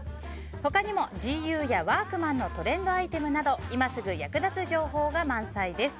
他にもＧＵやワークマンのトレンドアイテムなど今すぐ役立つ情報が満載です。